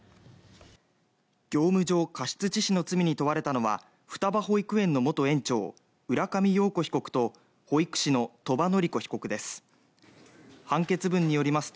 業務上過失致死の罪に問われたのは双葉保育園の元園長浦上陽子被告と保育士の鳥羽詞子被告です。